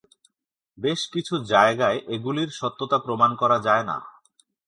বেশ কিছু জায়গায় এগুলির সত্যতা প্রমাণ করা যায় না।